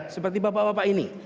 seperti bapak bapak ini